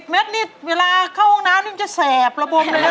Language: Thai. ๑๐เมตรนี่เวลาเข้าห้องน้ำนี่มันจะแสบระบมเลยนะห้องน้ำเนี่ย